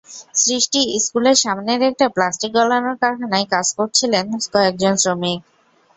সৃষ্টি স্কুলের সামনের একটি প্লাস্টিক গলানোর কারখানায় কাজ করছিলেন কয়েজন শ্রমিক।